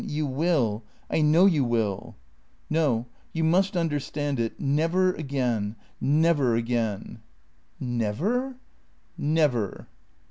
You will. I know you will ..." "No. You must understand it. Never again. Never again." "Never?" "Never."